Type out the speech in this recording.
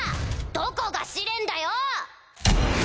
どこが試練だよ！